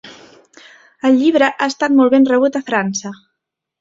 El llibre ha estat molt ben rebut a França.